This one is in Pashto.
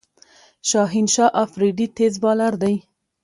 شاهین شاه آفريدي تېز بالر دئ.